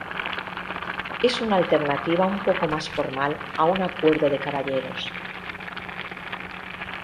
Es una alternativa un poco más formal a un acuerdo de caballeros.